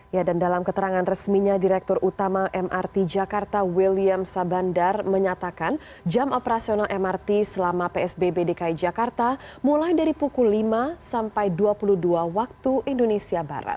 ya dan dalam keterangan resminya direktur utama mrt jakarta william sabandar menyatakan jam operasional mrt selama psbb dki jakarta mulai dari pukul lima sampai dua puluh dua waktu indonesia barat